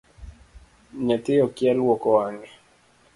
Nyathi okia luoko wange.